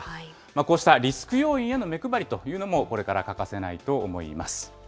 こうしたリスク要因への目配りというのもこれから欠かせないと思います。